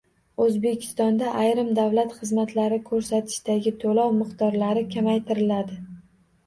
O‘zbekistonda ayrim davlat xizmatlari ko‘rsatishdagi to‘lov miqdorlari kamaytiriladi